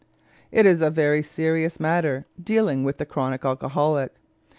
It is a very serious matter dealing with the chronic alcoholic.